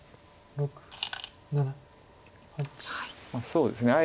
そうですね。